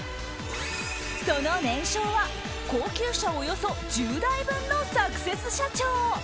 その年商は高級車およそ１０台分のサクセス社長。